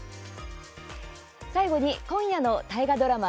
最後に、今夜の大河ドラマ